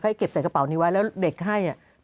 ให้เก็บใส่กระเป๋านี้ไว้แล้วเด็กให้